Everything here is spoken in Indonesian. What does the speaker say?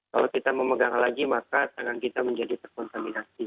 kalau kita memegang lagi maka tangan kita menjadi terkontaminasi